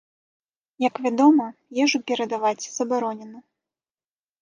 Як вядома, ежу перадаваць забаронена.